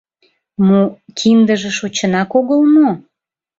— Мо... киндыже шочынак огыл мо?